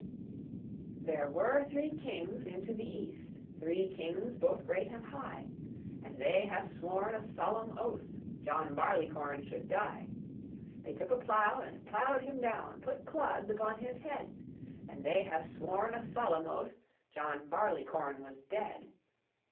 (1759 96.) There were three kings into the East, Three kings both great and high; And they ha'e sworn a solemn oath John Barleycorn should die. They took a plow and plowed him down, Put clods upon his head; And they ha'e sworn a solemn oath John Barleycorn was dead.